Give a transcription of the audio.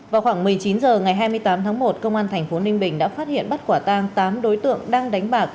vào khoảng một mươi chín h ngày hai mươi tám tháng một công an tp ninh bình đã phát hiện bắt quả tang tám đối tượng đang đánh bạc